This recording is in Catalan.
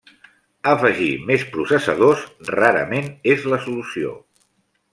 Afegir més processadors rarament és la solució.